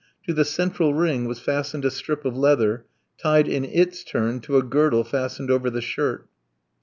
To the central ring was fastened a strip of leather, tied in its turn to a girdle fastened over the shirt.